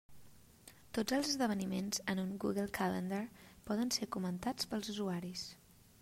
Tots els esdeveniments en un Google Calendar poden ser comentats pels usuaris.